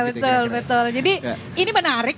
betul betul jadi ini menarik